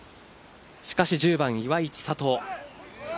しかし１０番、岩井千怜。